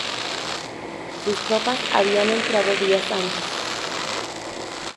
Sus tropas habían entrado días antes.